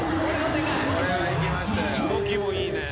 動きもいいねぇ。